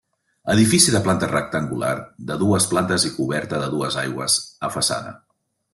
Edifici de planta rectangular de dues plantes i coberta de dues aigües a façana.